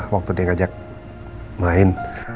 waktu dia ngajak main